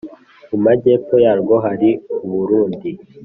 mu majyepfo yarwo hari u burundi,